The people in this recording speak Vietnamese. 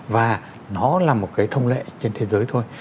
và nó là một cái thông lệ trên thế giới thôi